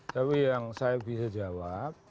tapi yang saya bisa jawab